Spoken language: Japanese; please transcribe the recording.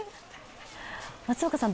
松岡さん